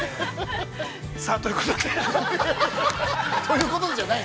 さあ、ということで、◆ということでじゃない。